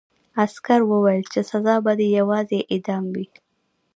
عسکر وویل چې سزا به دې یوازې اعدام وي